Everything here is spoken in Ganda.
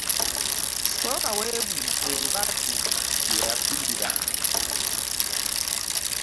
Sookaweebuuze, Lubatu gye yafiira